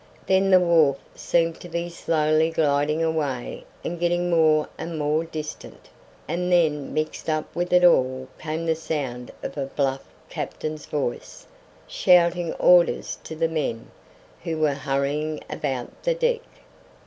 Then the wharf seemed to be slowly gliding away and getting more and more distant, and then mixed up with it all came the sound of the bluff captain's voice, shouting orders to the men, who were hurrying about the deck.